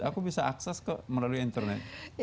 aku bisa akses kok melalui internet